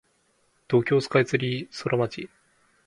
東京スカイツリーソラマチ